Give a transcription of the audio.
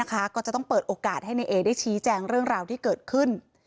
ก็จะต้องเปิดโอกาสให้นายเอได้ชี้แจงเรื่องราวที่เกิดขึ้น